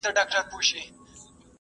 آيا ټولنيز علوم طبيعي قوانين لري؟